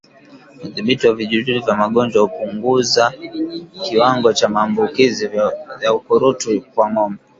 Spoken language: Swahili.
Udhibiti wa vijidudu vya magonjwa hupunguza kiwango cha maambukizi ya ukurutu kwa ngombe